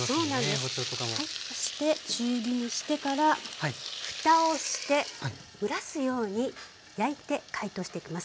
そして中火にしてからふたをして蒸らすように焼いて解凍していきます。